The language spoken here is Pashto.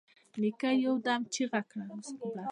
نيکه يودم چيغه کړه.